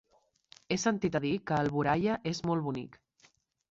He sentit a dir que Alboraia és molt bonic.